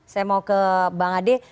saya mau ke bang ade